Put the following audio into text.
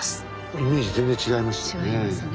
イメージ全然違いますね。